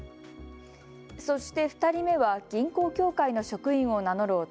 そして２人目は銀行協会の職員を名乗る男。